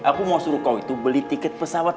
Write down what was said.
aku mau suruh kau itu beli tiket pesawat